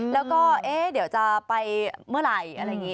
แล้วก็เดี๋ยวจะไปเมื่อไหร่อะไรอย่างนี้